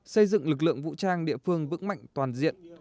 xây dựng lực lượng vũ trang địa phương vững mạnh toàn diện